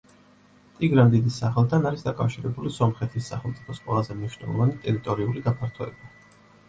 ტიგრან დიდის სახელთან არის დაკავშირებული სომხეთის სახელმწიფოს ყველაზე მნიშვნელოვანი ტერიტორიული გაფართოება.